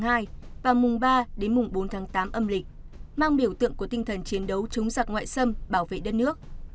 từ tháng hai vào mùng ba đến mùng bốn tháng tám âm lịch mang biểu tượng của tinh thần chiến đấu chống giặc ngoại xâm bảo vệ đất nước